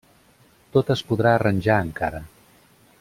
-Tot es podrà arranjar encara.